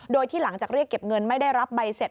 โดยที่หลังจากเรียกเก็บเงินไม่ได้รับใบเสร็จ